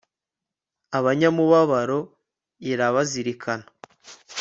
abanyamubabaro irabazirikana